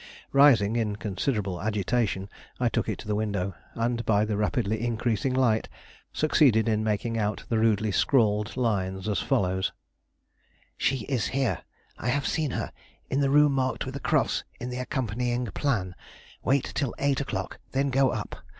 Rising in considerable agitation, I took it to the window, and by the rapidly increasing light, succeeded in making out the rudely scrawled lines as follows: "She is here; I have seen her; in the room marked with a cross in the accompanying plan. Wait till eight o'clock, then go up.